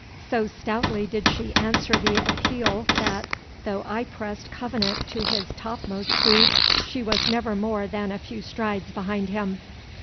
So stoutly did she answer the appeal that, though I pressed Covenant to his topmost speed, she was never more than a few strides behind him.